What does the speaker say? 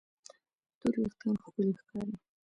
تور وېښتيان ښکلي ښکاري.